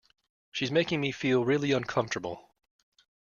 She’s making me feel really uncomfortable.